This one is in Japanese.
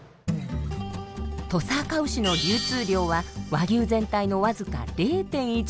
土佐あかうしの流通量は和牛全体の僅か０．１％だそうです。